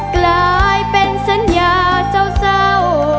กลายเป็นสัญญาเจ้า